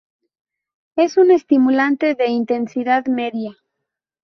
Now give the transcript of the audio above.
Es un estimulante de intensidad media.